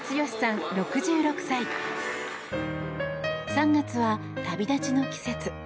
３月は旅立ちの季節。